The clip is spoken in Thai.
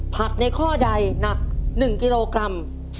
ในข้อใดหนัก๑กิโลกรัม